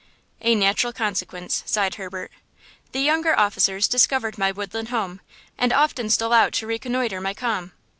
"A natural consequence," sighed Herbert. "The younger officers discovered my woodland home, and often stole out to reconnoitre my calm.